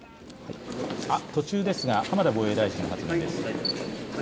途中ですが、浜田防衛大臣の発言です。